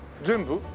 全部？